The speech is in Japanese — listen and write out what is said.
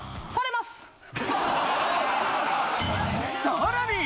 さらに！